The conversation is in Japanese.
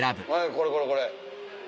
これこれこれ。